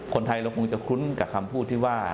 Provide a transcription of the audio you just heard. คนไทยเราคงจะคุ้นกับคำพูดที่ว่า